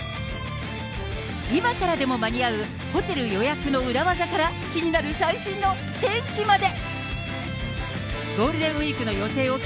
今からでも間に合うホテル予約の裏技から、気になる最新の天気まで。